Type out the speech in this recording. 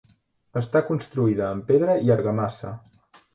Està construïda amb pedra i argamassa.